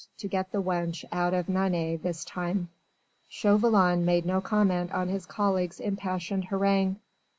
to get the wench out of Nantes this time." Chauvelin made no comment on his colleague's impassioned harangue.